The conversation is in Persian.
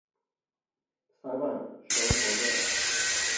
سرورم، شام حاضر است.